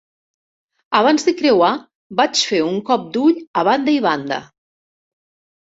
Abans de creuar vaig fer un cop d'ull a banda i banda.